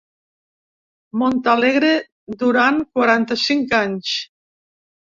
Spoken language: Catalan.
Montalegre durant quaranta-cinc anys.